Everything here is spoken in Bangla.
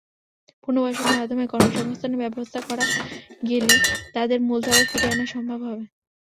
পুনর্বাসনের মাধ্যমে কর্মসংস্থানের ব্যবস্থা করা গেলে তাঁদের মূলধারায় ফিরিয়ে আনা সম্ভব।